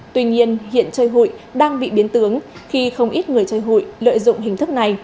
tuy nhiên hiện chơi hụi đang bị biến tướng khi không ít người chơi hụi lợi dụng hình thức này